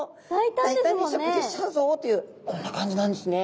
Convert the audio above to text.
大胆に食事しちゃうぞというこんな感じなんですね。